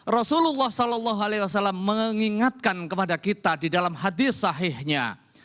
rasulullah saw mengingatkan kepada kita di dalam hadis sahihnya